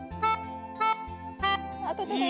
あとちょっと！